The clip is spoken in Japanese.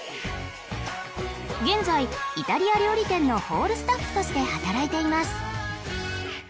現在イタリア料理店のホールスタッフとして働いています